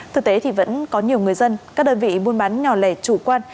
thực tế thì vẫn có nhiều người dân các đơn vị buôn bán nhỏ lẻ chủ quan